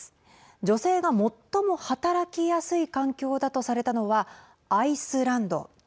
女性が最も働きやすい環境だとされたのはアイスランド。